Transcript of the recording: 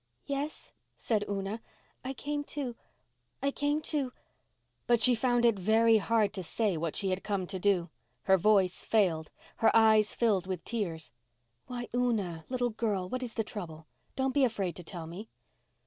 "Yes," said Una, "I came to—I came to—" But she found it very hard to say what she had come to do. Her voice failed—her eyes filled with tears. "Why, Una, little girl, what is the trouble? Don't be afraid to tell me."